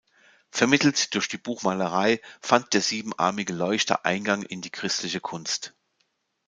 Vermittelt durch die Buchmalerei fand der siebenarmige Leuchter Eingang in die christliche Kunst.